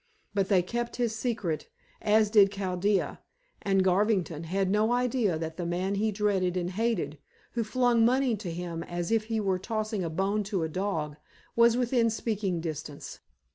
But they kept his secret, as did Chaldea; and Garvington had no idea that the man he dreaded and hated who flung money to him as if he were tossing a bone to a dog was within speaking distance.